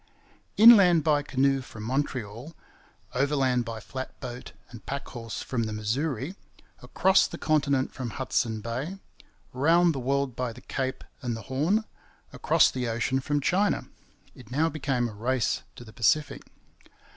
Inland by canoe from Montreal, overland by flat boat and pack horse from the Missouri, across the continent from Hudson Bay, round the world by the Cape and the Horn, across the ocean from China it now became a race to the Pacific.